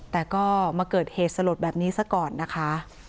แต่ก็มาเกิดเหตุสลดแบบนี้ซะก่อนนะคะ